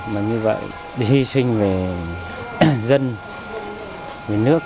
mà như vậy đi sinh về dân về nước